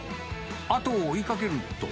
後を追いかけると。